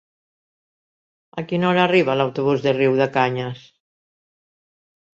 A quina hora arriba l'autobús de Riudecanyes?